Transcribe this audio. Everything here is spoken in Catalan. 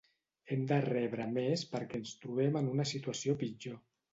Hem de rebre més perquè ens trobem en una situació pitjor.